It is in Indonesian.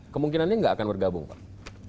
kemungkinannya nggak akan bergabung pak